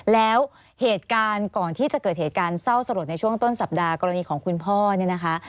แล้วเหตุการณ์ก่อนที่จะเกิดเหตุการณ์เศร้าสลดในช่วงต้นสัปดาห์กรณีของคุณพ่อเนี่ยนะคะ